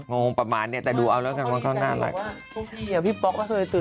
งงประมาณเนี่ยแต่ดูเอาแล้วกันว่าเขาน่ารัก